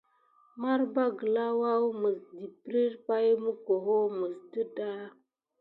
Marba gəlà woua mis dəprire pay mukuho mis ɗədà.